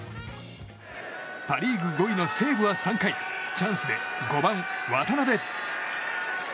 パ・リーグ５位の西武は３回チャンスで５番、渡部。